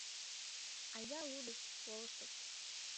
Айда лудышт, колыштышт.